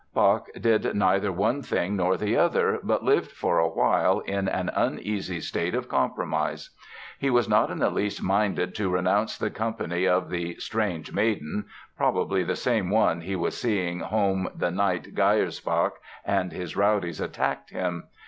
Bach did neither one thing nor the other but lived for a while in an uneasy state of compromise. He was not in the least minded to renounce the company of the "strange maiden"—probably the same one he was seeing home the night Geyersbach and his rowdies attacked him.